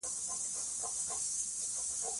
چې زما که کار نه مو ستاینه او تقدير وکړ.